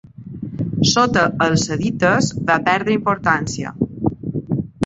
Sota els sadites va perdre importància.